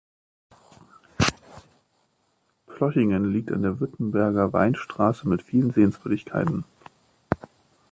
Plochingen liegt an der Württemberger Weinstraße mit vielen Sehenswürdigkeiten.